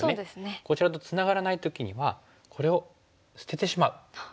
こちらとつながらない時にはこれを捨ててしまう。